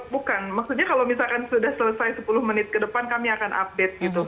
bukan maksudnya kalau misalkan sudah selesai sepuluh menit ke depan kami akan update